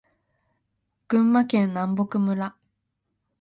群馬県南牧村